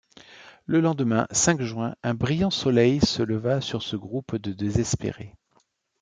Le lendemain, cinq juin, un brillant soleil se leva sur ce groupe de désespérés.